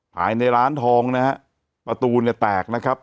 ภายในร้านทองนะฮะประตูเนี่ยแตกนะครับ